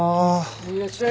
いらっしゃい。